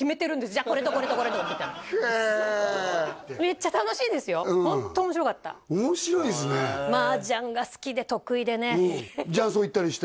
「じゃあこれとこれとこれと」みたいなへえめっちゃ楽しいですよホント面白かった面白いですねジャン荘行ったりして？